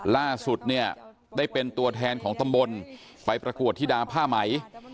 ล่าสุดเนี่ยได้เป็นตัวแทนของตำบลไปประกวดที่ดามผ้าไหม